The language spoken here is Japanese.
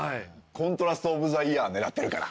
コントラスト・オブ・ザ・イヤー狙ってるから。